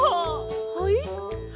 はい？